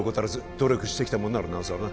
努力してきたもんならなおさらな